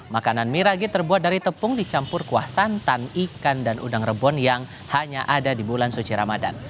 makanan miragi terbuat dari tepung dicampur kuah santan ikan dan udang rebon yang hanya ada di bulan suci ramadan